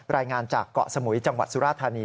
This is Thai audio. รายงานจากเกาะสมุยจังหวัดสุราธานี